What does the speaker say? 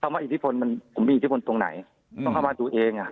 ว่าอิทธิพลมันผมมีอิทธิพลตรงไหนต้องเข้ามาตัวเองอ่ะ